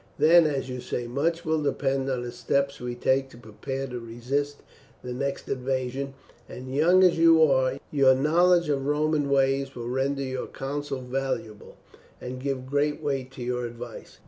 Then, as you say, much will depend on the steps we take to prepare to resist the next invasion; and young as you are, your knowledge of Roman ways will render your counsels valuable, and give great weight to your advice."